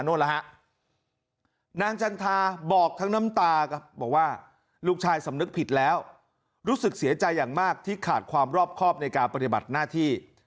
นางจันทาบอกทั้งน้ำตาครับบอกว่าลูกชายสำนึกผิดแล้วรู้สึกเสียใจอย่างมากที่ขาดความรอบครอบในการปฏิบัติหน้าที่